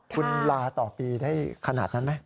คุณลาต่อปีได้ขนาดนั้นไหม